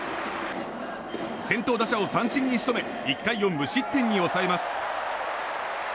先頭打者を三振に仕留め１回を無失点に抑えます。